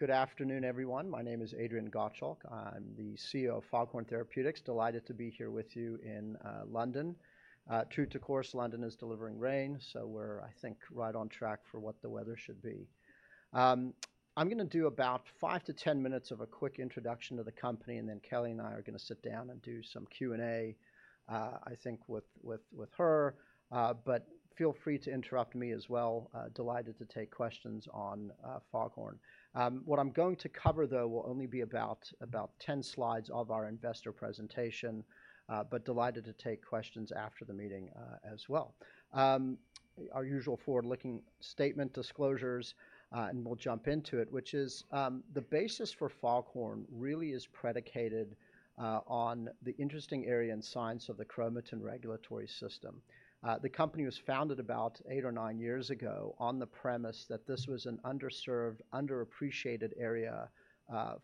Good afternoon, everyone. My name is Adrian Gottschalk. I'm the CEO of Foghorn Therapeutics. Delighted to be here with you in London. True to course, London is delivering rain, so we're, I think, right on track for what the weather should be. I'm going to do about 5 to 10 minutes of a quick introduction to the company, and then Kelly and I are going to sit down and do some Q&A, I think, with her. But feel free to interrupt me as well. Delighted to take questions on Foghorn. What I'm going to cover, though, will only be about 10 slides of our investor presentation, but delighted to take questions after the meeting as well. Our usual forward-looking statement, disclosures, and we'll jump into it, which is the basis for Foghorn really is predicated on the interesting area and science of the chromatin regulatory system. The company was founded about eight or nine years ago on the premise that this was an underserved, underappreciated area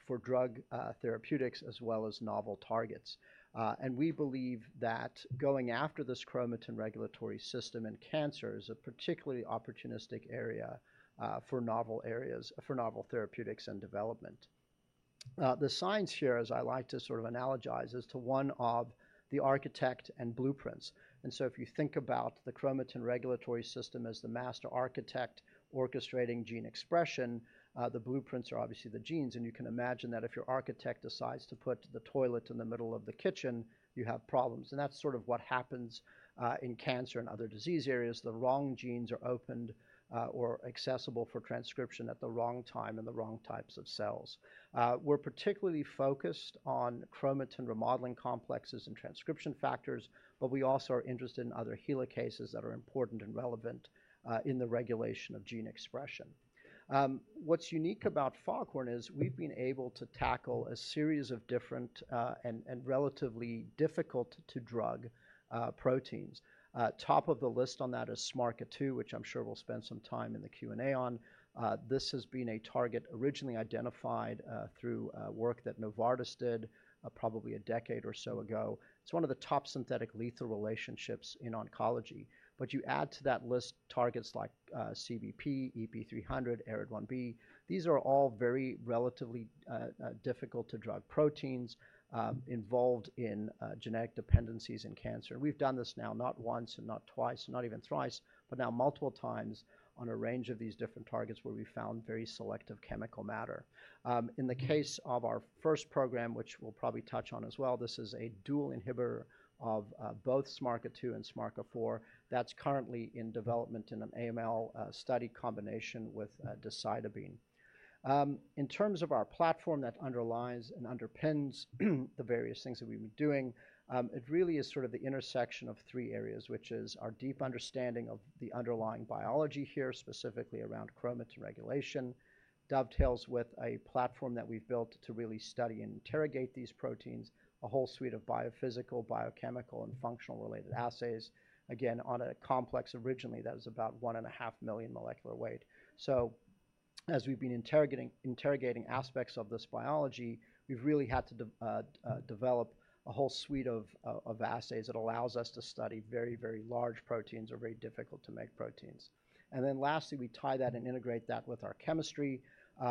for drug therapeutics as well as novel targets, and we believe that going after this chromatin regulatory system in cancer is a particularly opportunistic area for novel therapeutics and development. The science here, as I like to sort of analogize, is to one of the architect and blueprints, and so if you think about the chromatin regulatory system as the master architect orchestrating gene expression, the blueprints are obviously the genes, and you can imagine that if your architect decides to put the toilet in the middle of the kitchen, you have problems, and that's sort of what happens in cancer and other disease areas. The wrong genes are opened or accessible for transcription at the wrong time in the wrong types of cells. We're particularly focused on chromatin remodeling complexes and transcription factors, but we also are interested in other helicases that are important and relevant in the regulation of gene expression. What's unique about Foghorn is we've been able to tackle a series of different and relatively difficult-to-drug proteins. Top of the list on that is SMARCA2, which I'm sure we'll spend some time in the Q&A on. This has been a target originally identified through work that Novartis did probably a decade or so ago. It's one of the top synthetic lethal relationships in oncology. But you add to that list targets like CBP, EP300, ARID1B. These are all very relatively difficult-to-drug proteins involved in genetic dependencies in cancer. We've done this now not once and not twice, not even thrice, but now multiple times on a range of these different targets where we found very selective chemical matter. In the case of our first program, which we'll probably touch on as well, this is a dual inhibitor of both SMARCA2 and SMARCA4 that's currently in development in an AML study combination with decitabine. In terms of our platform that underlies and underpins the various things that we've been doing, it really is sort of the intersection of three areas, which is our deep understanding of the underlying biology here, specifically around chromatin regulation, dovetails with a platform that we've built to really study and interrogate these proteins, a whole suite of biophysical, biochemical, and functional-related assays, again, on a complex originally that was about one and a half million molecular weight, so as we've been interrogating aspects of this biology, we've really had to develop a whole suite of assays that allows us to study very, very large proteins or very difficult-to-make proteins. And then lastly, we tie that and integrate that with our chemistry.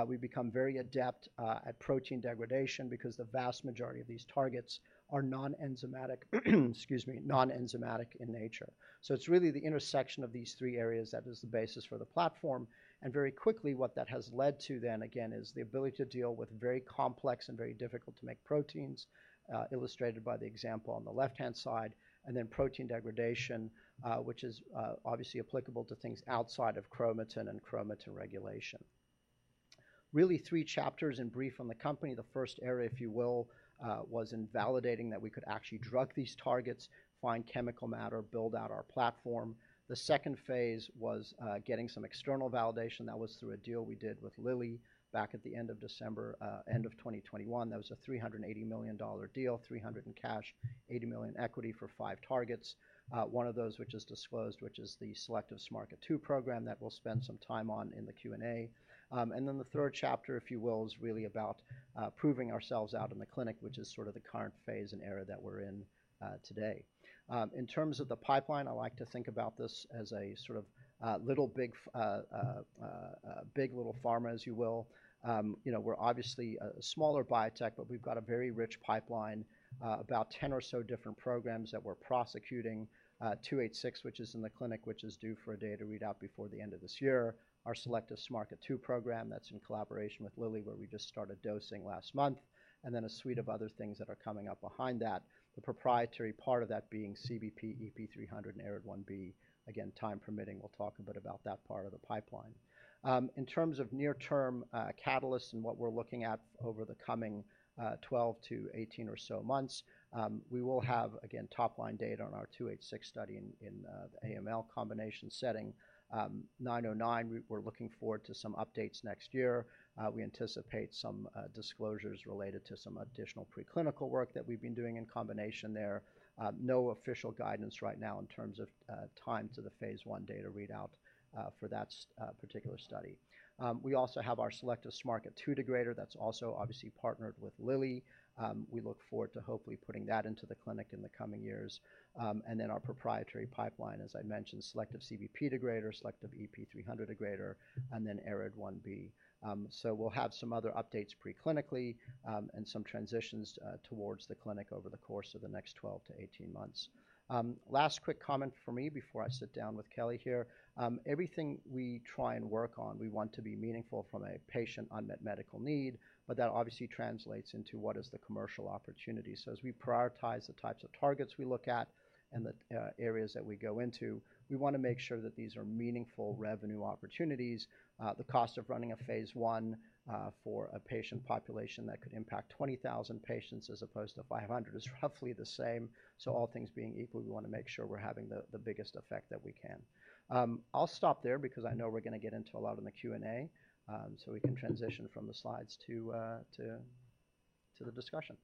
We become very adept at protein degradation because the vast majority of these targets are non-enzymatic in nature. So it's really the intersection of these three areas that is the basis for the platform. And very quickly, what that has led to then, again, is the ability to deal with very complex and very difficult-to-make proteins, illustrated by the example on the left-hand side, and then protein degradation, which is obviously applicable to things outside of chromatin and chromatin regulation. Really, three chapters in brief on the company. The first area, if you will, was in validating that we could actually drug these targets, find chemical matter, build out our platform. The second phase was getting some external validation. That was through a deal we did with Lilly back at the end of December, end of 2021. That was a $380 million deal, $300 million in cash, $80 million equity for five targets. One of those, which is disclosed, which is the selective SMARCA2 program that we'll spend some time on in the Q&A, and then the third chapter, if you will, is really about proving ourselves out in the clinic, which is sort of the current phase and area that we're in today. In terms of the pipeline, I like to think about this as a sort of little big pharma, as you will. We're obviously a smaller biotech, but we've got a very rich pipeline, about 10 or so different programs that we're prosecuting. 286, which is in the clinic, which is due for a data readout before the end of this year. Our selective SMARCA2 program that's in collaboration with Lilly, where we just started dosing last month, and then a suite of other things that are coming up behind that. The proprietary part of that being CBP, EP300, and ARID1B. Again, time permitting, we'll talk a bit about that part of the pipeline. In terms of near-term catalysts and what we're looking at over the coming 12-18 or so months, we will have, again, top-line data on our 286 study in the AML combination setting. 909, we're looking forward to some updates next year. We anticipate some disclosures related to some additional preclinical work that we've been doing in combination there. No official guidance right now in terms of time to the Phase I data readout for that particular study. We also have our selective SMARCA2 degrader. That's also obviously partnered with Lilly. We look forward to hopefully putting that into the clinic in the coming years. And then our proprietary pipeline, as I mentioned, selective CBP degrader, selective EP300 degrader, and then ARID1B. So we'll have some other updates preclinically and some transitions towards the clinic over the course of the next 12-18 months. Last quick comment for me before I sit down with Kelly here. Everything we try and work on, we want to be meaningful from a patient unmet medical need, but that obviously translates into what is the commercial opportunity. So as we prioritize the types of targets we look at and the areas that we go into, we want to make sure that these are meaningful revenue opportunities. The cost of running a Phase I for a patient population that could impact 20,000 patients as opposed to 500 is roughly the same. So all things being equal, we want to make sure we're having the biggest effect that we can. I'll stop there because I know we're going to get into a lot in the Q&A, so we can transition from the slides to the discussion.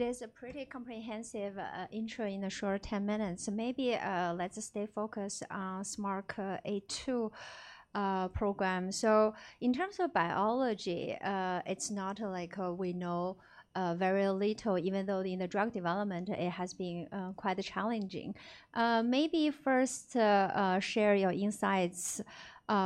It is a pretty comprehensive intro in the short 10 minutes. So maybe let's stay focused on SMARCA2 program. So in terms of biology, it's not like we know very little, even though in the drug development, it has been quite challenging. Maybe first share your insights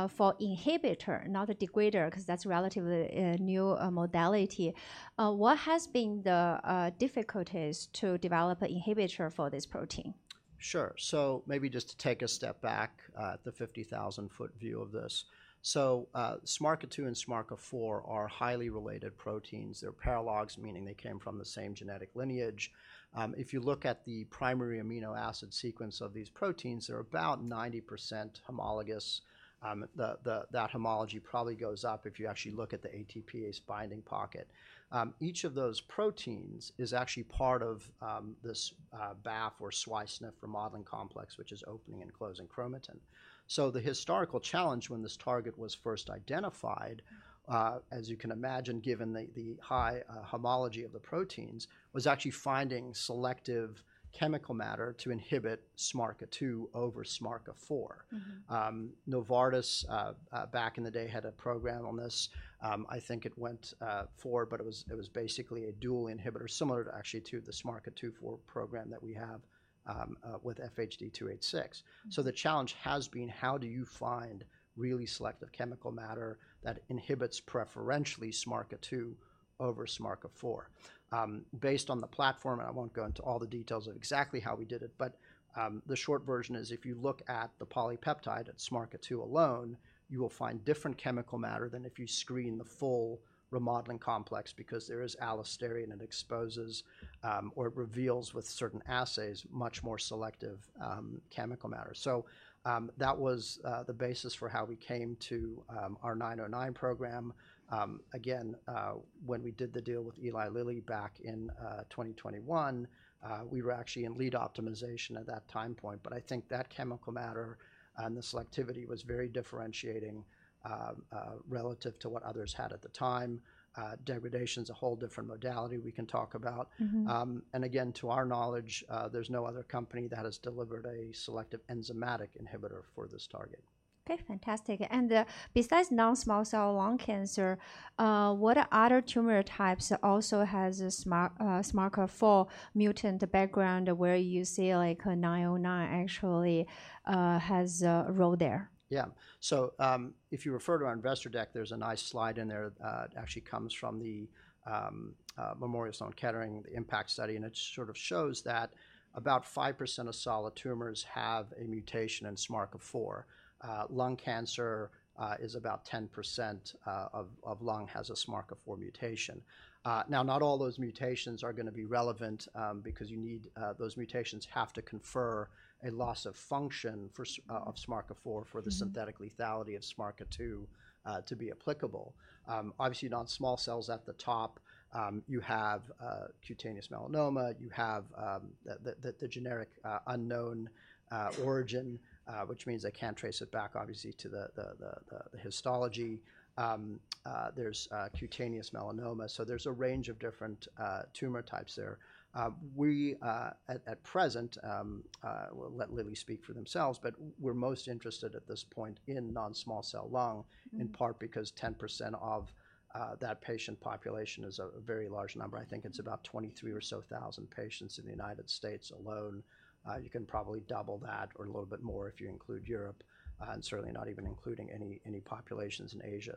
for inhibitor, not a degrader, because that's a relatively new modality. What has been the difficulties to develop an inhibitor for this protein? Sure. So maybe just to take a step back, the 50,000-foot view of this. So SMARCA2 and SMARCA4 are highly related proteins. They're paralogs, meaning they came from the same genetic lineage. If you look at the primary amino acid sequence of these proteins, they're about 90% homologous. That homology probably goes up if you actually look at the ATPase binding pocket. Each of those proteins is actually part of this BAF or SWI/SNF remodeling complex, which is opening and closing chromatin. So the historical challenge when this target was first identified, as you can imagine, given the high homology of the proteins, was actually finding selective chemical matter to inhibit SMARCA2 over SMARCA4. Novartis, back in the day, had a program on this. I think it went for, but it was basically a dual inhibitor, similar actually to the SMARCA2/4 program that we have with FHD-286. So the challenge has been, how do you find really selective chemical matter that inhibits preferentially SMARCA2 over SMARCA4? Based on the platform, and I won't go into all the details of exactly how we did it, but the short version is if you look at the polypeptide at SMARCA2 alone, you will find different chemical matter than if you screen the full remodeling complex because there is allosteric and it exposes or it reveals with certain assays much more selective chemical matter. So that was the basis for how we came to our 909 program. Again, when we did the deal with Eli Lilly back in 2021, we were actually in lead optimization at that time point. But I think that chemical matter and the selectivity was very differentiating relative to what others had at the time. Degradation is a whole different modality we can talk about. Again, to our knowledge, there's no other company that has delivered a selective enzymatic inhibitor for this target. Okay, fantastic. And besides non-small cell lung cancer, what other tumor types also has SMARCA4 mutant background where you see like 909 actually has a role there? Yeah. So if you refer to our investor deck, there's a nice slide in there. It actually comes from the Memorial Sloan Kettering, the MSK-IMPACT study. It sort of shows that about 5% of solid tumors have a mutation in SMARCA4. Lung cancer is about 10% of lung has a SMARCA4 mutation. Now, not all those mutations are going to be relevant because you need those mutations have to confer a loss of function of SMARCA4 for the synthetic lethality of SMARCA2 to be applicable. Obviously, non-small cells at the top. You have cutaneous melanoma. You have the cancer of unknown origin, which means they can't trace it back, obviously, to the histology. There's cutaneous melanoma. So there's a range of different tumor types there. We, at present, we'll let Lilly speak for themselves, but we're most interested at this point in non-small cell lung, in part because 10% of that patient population is a very large number. I think it's about 23 or so thousand patients in the United States alone. You can probably double that or a little bit more if you include Europe and certainly not even including any populations in Asia.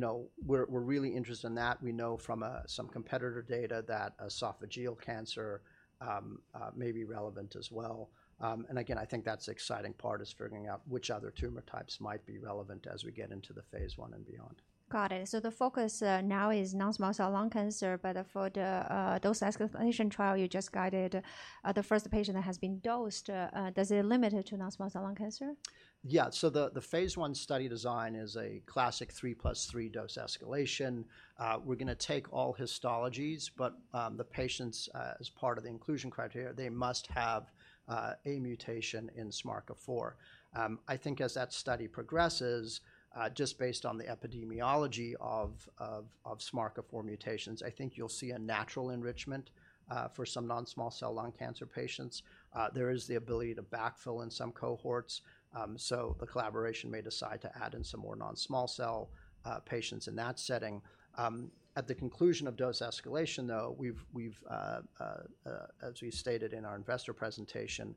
So we're really interested in that. We know from some competitor data that esophageal cancer may be relevant as well. And again, I think that's the exciting part is figuring out which other tumor types might be relevant as we get into the Phase I and beyond. Got it. So the focus now is non-small cell lung cancer, but for the dose escalation trial you just guided, the first patient that has been dosed, does it limit to non-small cell lung cancer? Yeah. So the Phase I study design is a classic 3 plus 3 dose escalation. We're going to take all histologies, but the patients, as part of the inclusion criteria, they must have a mutation in SMARCA4. I think as that study progresses, just based on the epidemiology of SMARCA4 mutations, I think you'll see a natural enrichment for some non-small cell lung cancer patients. There is the ability to backfill in some cohorts. So the collaboration may decide to add in some more non-small cell patients in that setting. At the conclusion of dose escalation, though, we've, as we stated in our investor presentation,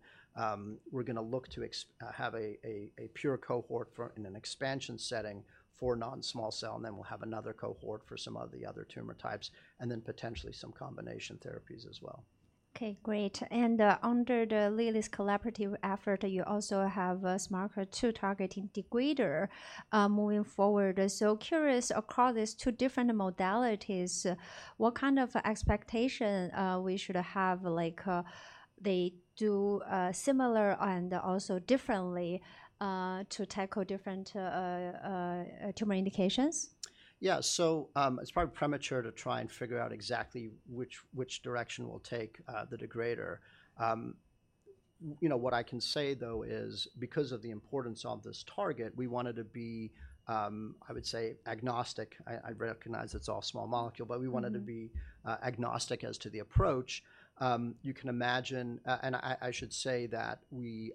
we're going to look to have a pure cohort in an expansion setting for non-small cell, and then we'll have another cohort for some of the other tumor types, and then potentially some combination therapies as well. Okay, great. And under the Lilly's collaborative effort, you also have SMARCA2 targeting degrader moving forward. So curious, across these two different modalities, what kind of expectation we should have like they do similar and also differently to tackle different tumor indications? Yeah. So it's probably premature to try and figure out exactly which direction we'll take the degrader. What I can say, though, is because of the importance of this target, we wanted to be, I would say, agnostic. I recognize it's all small molecule, but we wanted to be agnostic as to the approach. You can imagine, and I should say that we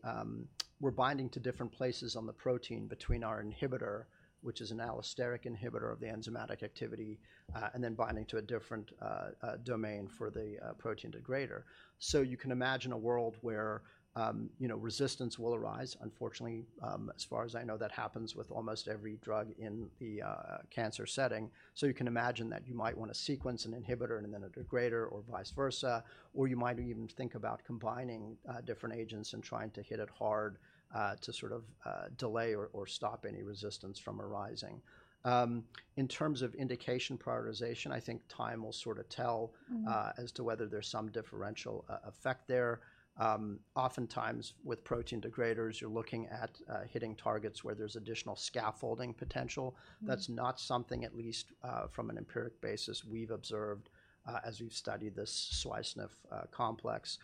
were binding to different places on the protein between our inhibitor, which is an allosteric inhibitor of the enzymatic activity, and then binding to a different domain for the protein degrader. So you can imagine a world where resistance will arise. Unfortunately, as far as I know, that happens with almost every drug in the cancer setting. So you can imagine that you might want to sequence an inhibitor and then a degrader or vice versa, or you might even think about combining different agents and trying to hit it hard to sort of delay or stop any resistance from arising. In terms of indication prioritization, I think time will sort of tell as to whether there's some differential effect there. Oftentimes, with protein degraders, you're looking at hitting targets where there's additional scaffolding potential. That's not something, at least from an empiric basis, we've observed as we've studied this SWI/SNF complex.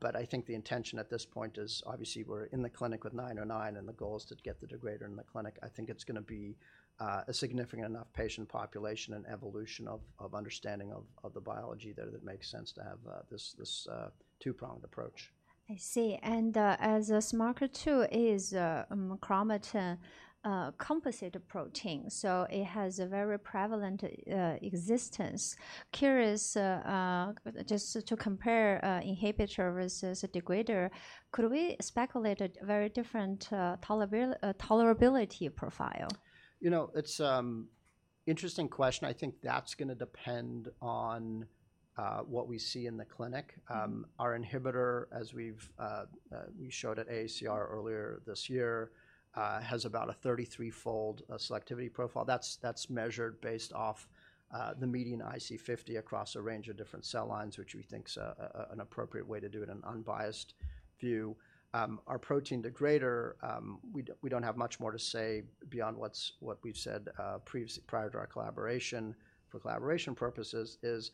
But I think the intention at this point is obviously we're in the clinic with 909, and the goal is to get the degrader in the clinic. I think it's going to be a significant enough patient population and evolution of understanding of the biology there that makes sense to have this two-pronged approach. I see. And as SMARCA2 is a chromatin composite protein, so it has a very prevalent existence. Curious just to compare inhibitor versus degrader, could we speculate a very different tolerability profile? You know, it's an interesting question. I think that's going to depend on what we see in the clinic. Our inhibitor, as we showed at AACR earlier this year, has about a 33-fold selectivity profile. That's measured based off the median IC50 across a range of different cell lines, which we think is an appropriate way to do it in an unbiased view. Our protein degrader, we don't have much more to say beyond what we've said prior to our collaboration for collaboration purposes, is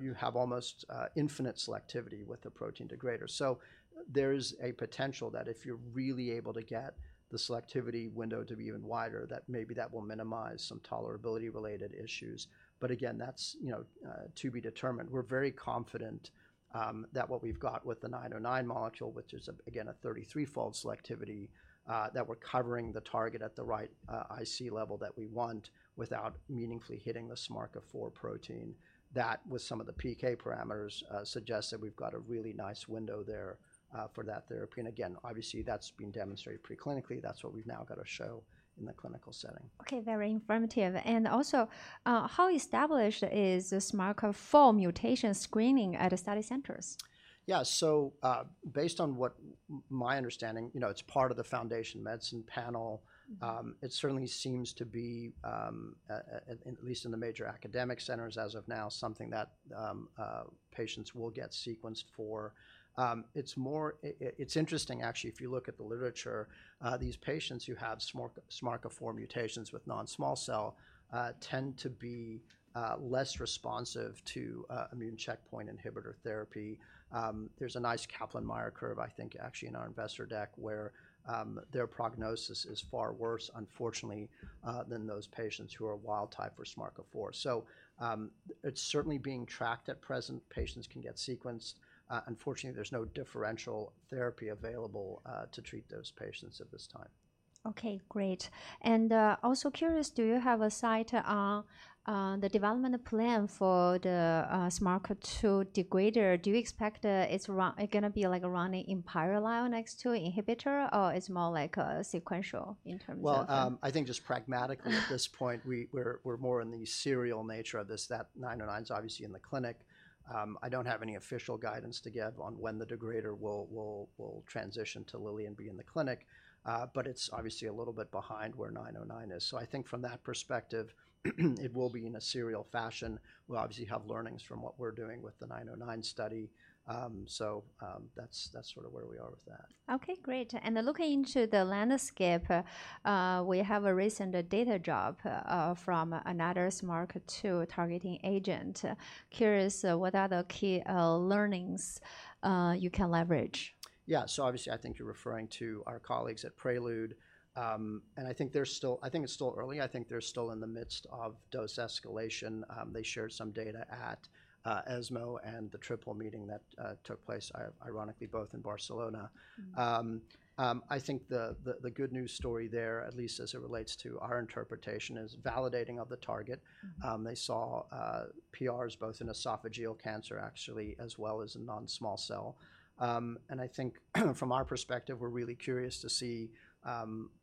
you have almost infinite selectivity with the protein degrader. So there is a potential that if you're really able to get the selectivity window to be even wider, that maybe that will minimize some tolerability-related issues. But again, that's to be determined. We're very confident that what we've got with the 909 molecule, which is, again, a 33-fold selectivity, that we're covering the target at the right IC level that we want without meaningfully hitting the SMARCA4 protein. That, with some of the PK parameters, suggests that we've got a really nice window there for that therapy. And again, obviously, that's been demonstrated preclinically. That's what we've now got to show in the clinical setting. Okay, very informative. And also, how established is the SMARCA4 mutation screening at the study centers? Yeah. So based on what my understanding, you know, it's part of the Foundation Medicine panel. It certainly seems to be, at least in the major academic centers as of now, something that patients will get sequenced for. It's interesting, actually, if you look at the literature, these patients who have SMARCA4 mutations with non-small cell tend to be less responsive to immune checkpoint inhibitor therapy. There's a nice Kaplan-Meier curve, I think, actually in our investor deck, where their prognosis is far worse, unfortunately, than those patients who are wild type for SMARCA4. So it's certainly being tracked at present. Patients can get sequenced. Unfortunately, there's no differential therapy available to treat those patients at this time. Okay, great. And also curious, do you have a sight on the development plan for the SMARCA2 degrader? Do you expect it's going to be like running in parallel next to inhibitor, or it's more like sequential in terms of? I think just pragmatically at this point, we're more in the serial nature of this. That 909 is obviously in the clinic. I don't have any official guidance to give on when the degrader will transition to Lilly and be in the clinic, but it's obviously a little bit behind where 909 is, so I think from that perspective, it will be in a serial fashion. We'll obviously have learnings from what we're doing with the 909 study, so that's sort of where we are with that. Okay, great. And looking into the landscape, we have a recent data drop from another SMARCA2 targeting agent. Curious, what are the key learnings you can leverage? Yeah, so obviously, I think you're referring to our colleagues at Prelude, and I think they're still in the midst of dose escalation. They shared some data at ESMO and the Triple Meeting that took place, ironically, both in Barcelona. I think the good news story there, at least as it relates to our interpretation, is validating of the target. They saw PRs both in esophageal cancer, actually, as well as in non-small cell, and I think from our perspective, we're really curious to see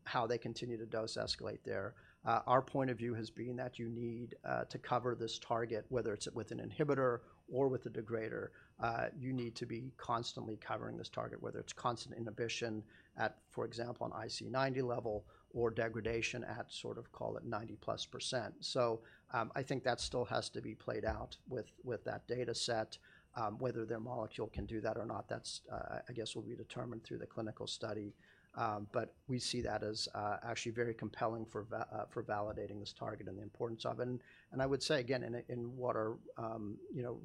how they continue to dose escalate there. Our point of view has been that you need to cover this target, whether it's with an inhibitor or with a degrader, you need to be constantly covering this target, whether it's constant inhibition at, for example, an IC90 level or degradation at sort of call it 90+%. So I think that still has to be played out with that data set. Whether their molecule can do that or not, that's, I guess, will be determined through the clinical study. But we see that as actually very compelling for validating this target and the importance of it. And I would say, again, in what are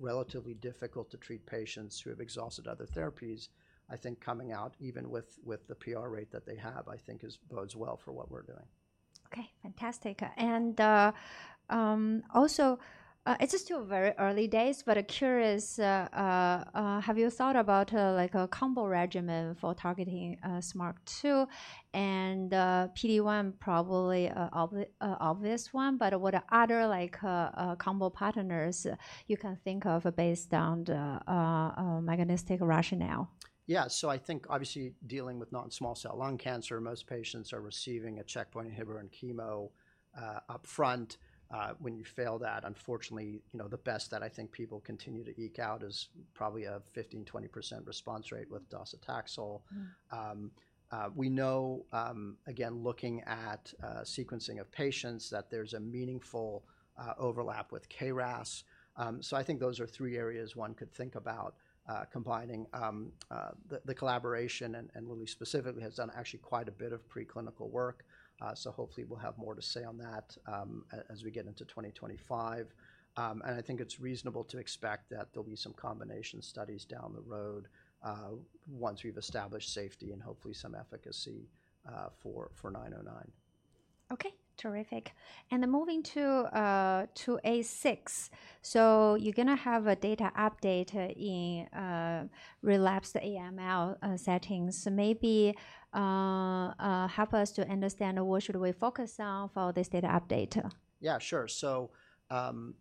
relatively difficult to treat patients who have exhausted other therapies, I think coming out, even with the PR rate that they have, I think bodes well for what we're doing. Okay, fantastic. And also, it's still very early days, but curious, have you thought about like a combo regimen for targeting SMARCA2 and PD-1, probably an obvious one, but what other combo partners you can think of based on the mechanistic rationale? Yeah. So I think obviously dealing with non-small cell lung cancer, most patients are receiving a checkpoint inhibitor and chemo upfront. When you fail that, unfortunately, the best that I think people continue to eke out is probably a 15%-20% response rate with docetaxel. We know, again, looking at sequencing of patients, that there's a meaningful overlap with KRAS. So I think those are three areas one could think about combining. The collaboration and Lilly specifically has done actually quite a bit of preclinical work. So hopefully we'll have more to say on that as we get into 2025. And I think it's reasonable to expect that there'll be some combination studies down the road once we've established safety and hopefully some efficacy for 909. Okay, terrific. And moving to 286. So you're going to have a data update in relapsed AML settings. Maybe help us to understand what should we focus on for this data update? Yeah, sure. So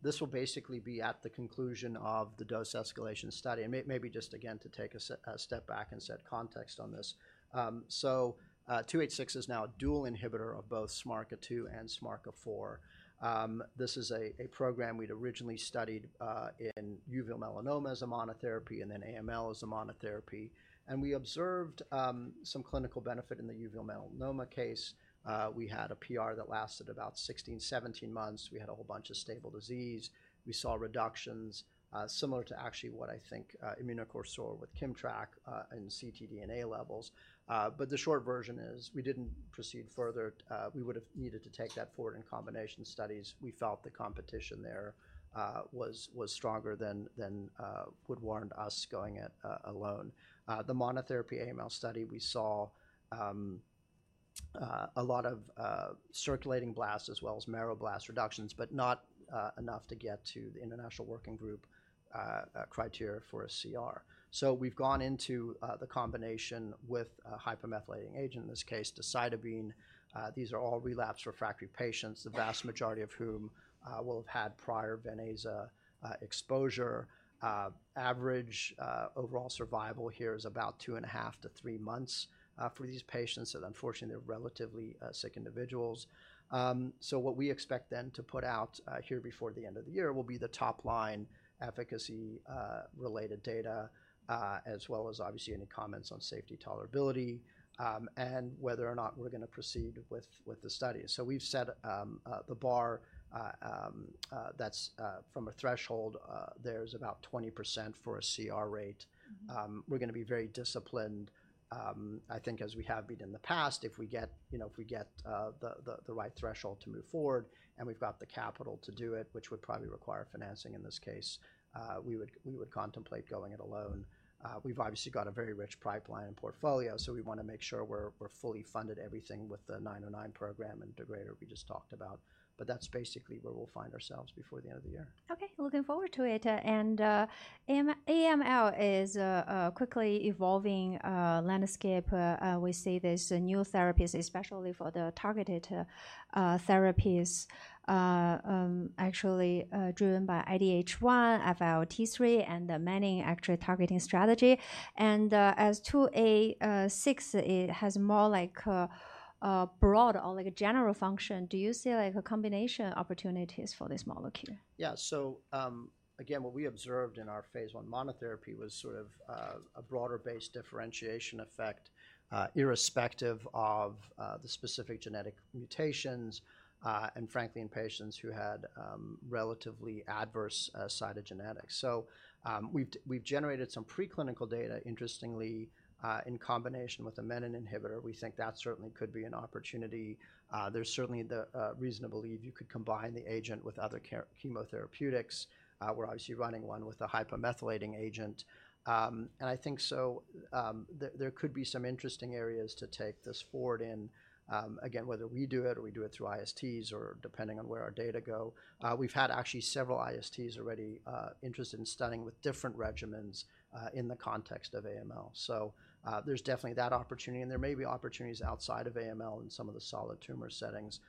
this will basically be at the conclusion of the dose escalation study. And maybe just again to take a step back and set context on this. So 286 is now a dual inhibitor of both SMARCA2 and SMARCA4. This is a program we'd originally studied in uveal melanoma as a monotherapy and then AML as a monotherapy. And we observed some clinical benefit in the uveal melanoma case. We had a PR that lasted about 16-17 months. We had a whole bunch of stable disease. We saw reductions similar to actually what I think Immunocore with Kimmtrak and ctDNA levels. But the short version is we didn't proceed further. We would have needed to take that forward in combination studies. We felt the competition there was stronger than would warrant us going it alone. The monotherapy AML study. We saw a lot of circulating blast as well as marrow blast reductions, but not enough to get to the international working group criteria for a CR. So we've gone into the combination with a hypomethylating agent, in this case, decitabine. These are all relapsed refractory patients, the vast majority of whom will have had prior Vidaza exposure. Average overall survival here is about two and a half to three months for these patients. And unfortunately, they're relatively sick individuals. So what we expect then to put out here before the end of the year will be the top-line efficacy-related data, as well as obviously any comments on safety, tolerability, and whether or not we're going to proceed with the study. So we've set the bar that's a threshold. There's about 20% for a CR rate. We're going to be very disciplined, I think, as we have been in the past. If we get the right threshold to move forward and we've got the capital to do it, which would probably require financing in this case, we would contemplate going it alone. We've obviously got a very rich pipeline and portfolio, so we want to make sure we're fully funded everything with the 909 program and degrader we just talked about. But that's basically where we'll find ourselves before the end of the year. Okay, looking forward to it. AML is a quickly evolving landscape. We see these new therapies, especially for the targeted therapies, actually driven by IDH1, FLT3, and then Menin actually targeting strategy. As 286, it has more like a broad or like a general function. Do you see like a combination opportunities for this molecule? Yeah. So again, what we observed in our Phase I monotherapy was sort of a broader-based differentiation effect irrespective of the specific genetic mutations and frankly, in patients who had relatively adverse cytogenetics. So we've generated some preclinical data. Interestingly, in combination with a Menin inhibitor, we think that certainly could be an opportunity. There's certainly the reason to believe you could combine the agent with other chemotherapeutics. We're obviously running one with a hypomethylating agent. And I think so there could be some interesting areas to take this forward in. Again, whether we do it or we do it through ISTs or depending on where our data go, we've had actually several ISTs already interested in studying with different regimens in the context of AML. So there's definitely that opportunity. And there may be opportunities outside of AML in some of the solid tumor settings.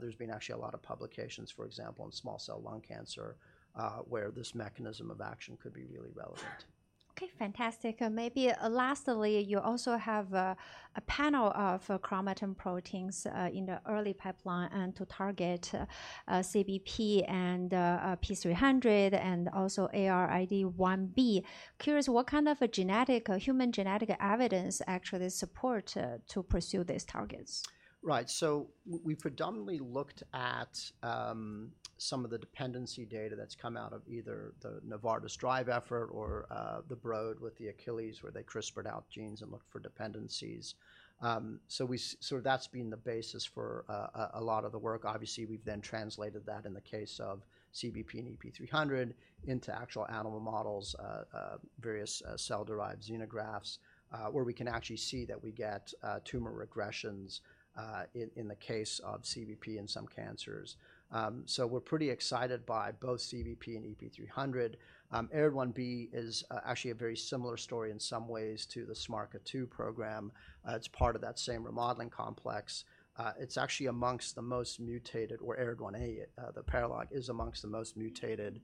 There's been actually a lot of publications, for example, in small cell lung cancer where this mechanism of action could be really relevant. Okay, fantastic. Maybe lastly, you also have a panel of chromatin proteins in the early pipeline and to target CBP and P300 and also ARID1B. Curious, what kind of a genetic, human genetic evidence actually support to pursue these targets? Right. So we predominantly looked at some of the dependency data that's come out of either the Novartis DRIVE effort or the Broad with the Achilles where they CRISPRed out genes and looked for dependencies. So that's been the basis for a lot of the work. Obviously, we've then translated that in the case of CBP and EP300 into actual animal models, various cell-derived xenografts where we can actually see that we get tumor regressions in the case of CBP in some cancers. So we're pretty excited by both CBP and EP300. ARID1B is actually a very similar story in some ways to the SMARCA2 program. It's part of that same remodeling complex. It's actually amongst the most mutated, or ARID1A, the paralog is amongst the most mutated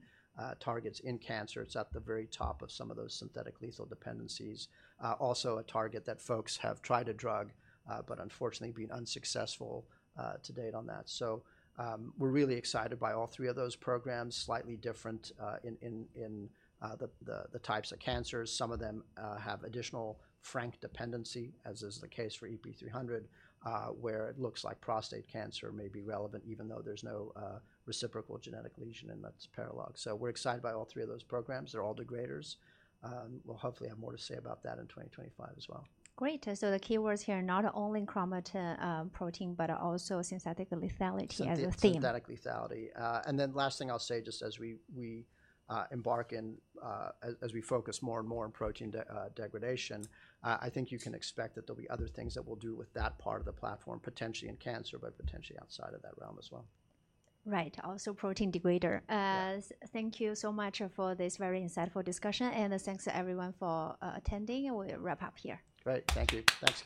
targets in cancer. It's at the very top of some of those synthetic lethal dependencies. Also a target that folks have tried a drug, but unfortunately been unsuccessful to date on that. So we're really excited by all three of those programs, slightly different in the types of cancers. Some of them have additional frank dependency, as is the case for EP300, where it looks like prostate cancer may be relevant, even though there's no reciprocal genetic lesion in that paralog. So we're excited by all three of those programs. They're all degraders. We'll hopefully have more to say about that in 2025 as well. Great. So the keywords here are not only chromatin protein, but also synthetic lethality as a theme. Yeah, synthetic lethality. And then last thing I'll say just as we embark in, as we focus more and more on protein degradation, I think you can expect that there'll be other things that we'll do with that part of the platform, potentially in cancer, but potentially outside of that realm as well. Right. Also protein degrader. Thank you so much for this very insightful discussion, and thanks to everyone for attending. We'll wrap up here. Great. Thank you. Thanks.